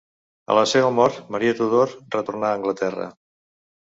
A la seva mort Maria Tudor retornà a Anglaterra.